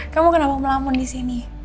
kamu kenapa melamun disini